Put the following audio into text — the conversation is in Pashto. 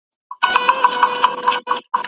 د پښتنې حوا دي سترګې د رزمک په اسمان